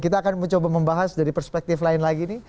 kita akan mencoba membahas dari perspektif lain lagi nih